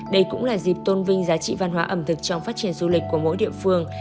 đây cũng là dịp tôn vinh giá trị văn hóa ẩm thực trong phát triển du lịch của mỗi địa phương